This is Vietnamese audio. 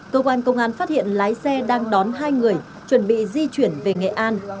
cơ quan công an phát hiện lái xe đang đón hai người chuẩn bị di chuyển về nghệ an